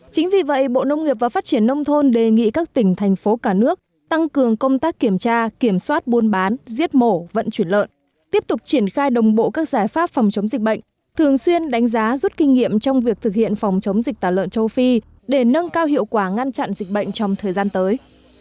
chính vì vậy bộ nông nghiệp và phát triển nông thôn đề nghị các tỉnh thành phố cả nước tăng cường công tác kiểm tra kiểm soát buôn bán giết mổ vận chuyển lợn tiếp tục triển khai đồng bộ các giải pháp phòng chống dịch bệnh thường xuyên đánh giá rút kinh nghiệm trong việc thực hiện phòng chống dịch tả lợn châu phi để nâng cao hiệu quả ngăn chặn dịch bệnh trong thời gian tới